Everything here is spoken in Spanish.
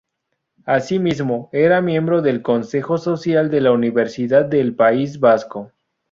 Asimismo, era miembro del Consejo Social de la Universidad del País Vasco.